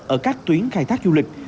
ở các tuyến khai thác du lịch